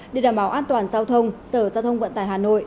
để đảm bảo an toàn giao thông sở giao thông vận tải hà nội